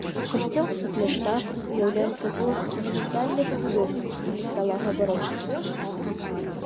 Касцёл і кляштар уяўлялі сабою манументальныя пабудовы ў стылі сталага барока.